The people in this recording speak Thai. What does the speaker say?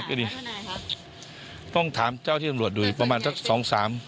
กี่ข้อหน่อยครับต้องถามเจ้าที่สำรวจดูประมาณสักสองสาม